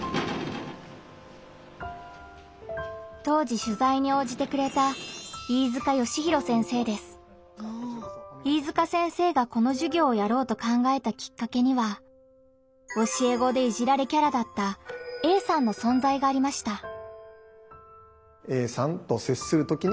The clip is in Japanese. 当時しゅざいに応じてくれた飯塚先生がこのじゅぎょうをやろうと考えたきっかけには教え子で「いじられキャラ」だったＡさんの存在がありました。